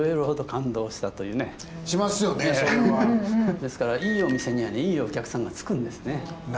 ですからいいお店にはねいいお客さんがつくんですね。